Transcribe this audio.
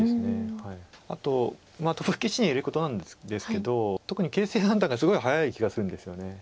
あとプロ棋士に言えることなんですけど特に形勢判断がすごい早い気がするんですよね。